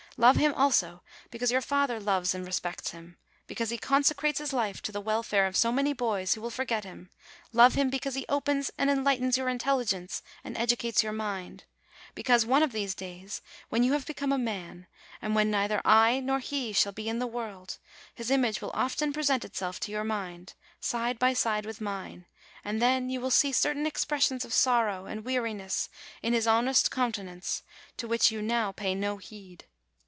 Love him, also, because your father loves and respects him; because he consecrates his life to the welfare of so many boys who will forget him ; love him because he opens and enlightens your intelligence and educates your mind; because, one of these days, when you have become a man, and when neither I nor he shall be in the world, his image will often present itself to your mind, side by side with mine, and then you will see certain expressions of sorrow and weari ness in his honest countenance to which you now pay no heed.